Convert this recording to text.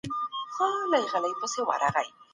پلان جوړونه هېواد له احتياجه وباسي.